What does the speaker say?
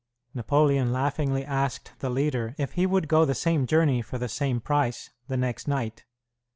Napoleon laughingly asked the leader if he would go the same journey for the same price the next night.